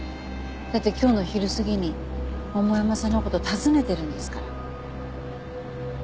だって今日の昼過ぎに桃山さんの事訪ねてるんですから。